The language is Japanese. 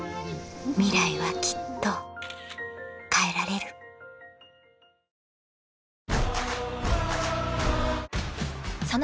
ミライはきっと変えられるおはよう。